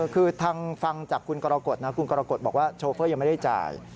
คือทางฟังจากคุณกรกฎนะคุณกรกฎบอกว่าโชเฟอร์ยังไม่ได้จ่าย